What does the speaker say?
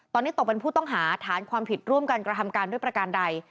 ตอนนี้ตกเป็นผู้ต้องหาฐานความผิดร่วมกันกระทำการด้วยประการใด